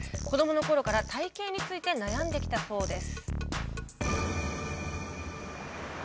子どもの頃から体型について悩んできたそうです。